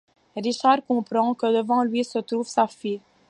Richard comprend, que devant lui se trouve sa fille.